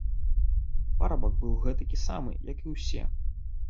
Парабак быў гэтакі самы, як і ўсе.